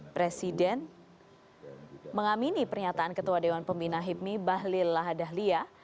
presiden mengamini pernyataan ketua dewan pembina hipmi bahlil lahadahlia